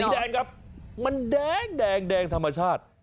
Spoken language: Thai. แดงครับมันแดงธรรมชาติ